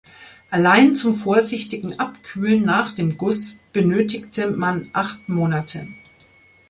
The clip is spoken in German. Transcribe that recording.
Allein zum vorsichtigen Abkühlen nach dem Guss benötigte man acht Monate.